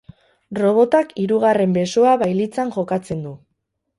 Robotak hirugarren besoa bailitzan jokatzen du.